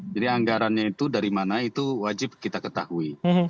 jadi anggarannya itu dari mana itu wajib kita ketahui